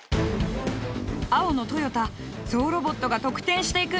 青の豊田ゾウロボットが得点していく。